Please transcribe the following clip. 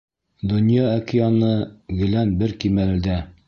— Донъя океаны гелән бер кимәлдә.